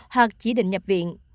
hoặc chỉ định nhập viện